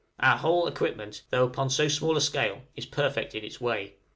Our whole equipment, though upon so small a scale, is perfect in its way.